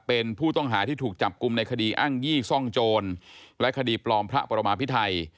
เป็นผู้ต้องหาที่ถูกจับกลุ่มในคดีอ้างยี่ซ่องโจรและคดีปลอมพระประมาพิไทย